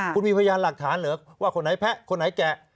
คุณมีพยานหลักฐานเหรอว่าคนไหนแพะคนไหนแกะ